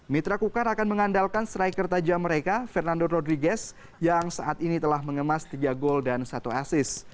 mitra kukar akan mengandalkan striker tajam mereka fernando rodriguez yang saat ini telah mengemas tiga gol dan satu asis